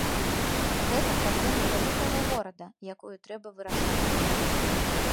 Гэта праблема вялікага горада, якую трэба вырашаць.